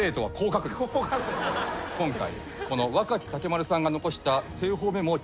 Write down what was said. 今回。